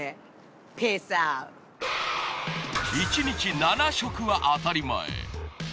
１日７食は当たり前。